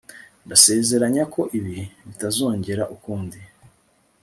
Ndasezeranya ko ibi bitazongera ukundi